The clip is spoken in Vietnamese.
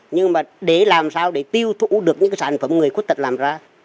nhưng mà để làm sao để tiêu thụ được những cái sản phẩm người khuất tật làm ra